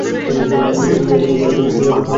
আমাদের এই জিহাদই হবে ভারতে খিলাফত গঠনের সূচনাবিন্দু।